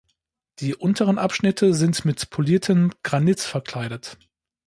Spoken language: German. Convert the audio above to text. Die unteren Abschnitte sind mit poliertem Granit verkleidet.